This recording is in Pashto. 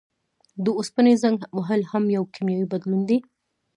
د اوسپنې زنګ وهل هم یو کیمیاوي بدلون دی.